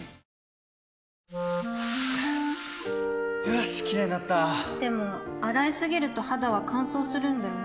よしキレイになったでも、洗いすぎると肌は乾燥するんだよね